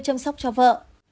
chăm sóc cho vợ